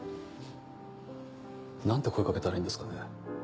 何て声掛けたらいいんですかね？